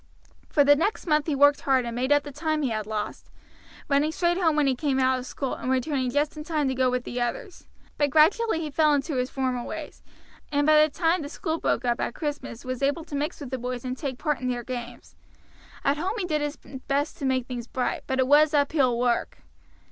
For the next month he worked hard and made up the time he had lost, running straight home when he came out from school, and returning just in time to go in with the others; but gradually he fell into his former ways, and by the time the school broke up at Christmas was able to mix with the boys and take part in their games. At home he did his best to make things bright, but it was uphill work.